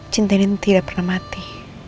cinta ini tidak pernah mati